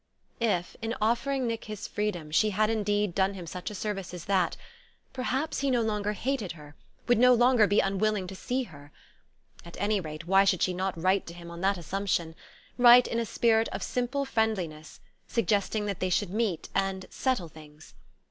If in offering Nick his freedom she had indeed done him such a service as that, perhaps he no longer hated her, would no longer be unwilling to see her.... At any rate, why should she not write to him on that assumption, write in a spirit of simple friendliness, suggesting that they should meet and "settle things"?